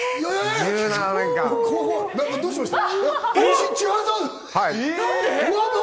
どうしました？